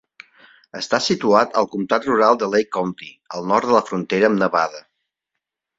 Està situat al comtat rural de Lake County, al nord de la frontera amb Nevada.